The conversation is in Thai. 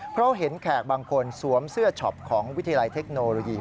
เพราะเห็นแขกบางคนสวมเสื้อช็อปของวิทยาลัยเทคโนโลยี